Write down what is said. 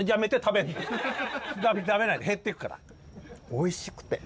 おいしくて！